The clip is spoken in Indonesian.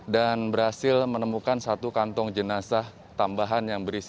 dan berhasil menemukan satu kantong jenazah tambahan yang berbeda